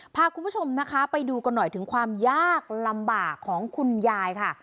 พาคุณผู้ชมนะคะไปดูกันหน่อยถึงความยากลำบากของคุณยายค่ะ